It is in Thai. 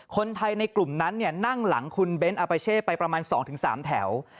คนไทยในกลุ่มนั้นเนี่ยนั่งหลังคุณเบนท์อาปาเช่ไปประมาณสองถึงสามแถว